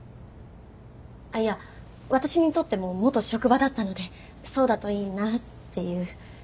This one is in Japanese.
あっいや私にとっても元職場だったのでそうだといいなぁっていう。